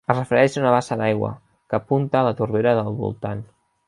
Es refereix a una bassa d'aigua, que apunta a la torbera del voltant.